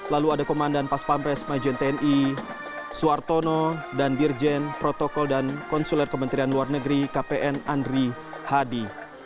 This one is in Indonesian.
lalu ada komandan pas pampres majen tni suartono dan dirjen protokol dan konsuler kementerian luar negeri kpn andri hadi